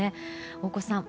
大越さん